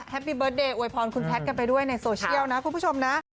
ปีเตอร์เดย์อวยพรคุณแพทย์กันไปด้วยในโซเชียลนะคุณผู้ชมนะ